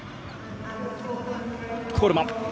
コールマン。